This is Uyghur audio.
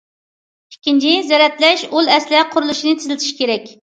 ئىككىنچى، زەرەتلەش ئۇل ئەسلىھە قۇرۇلۇشىنى تېزلىتىش كېرەك.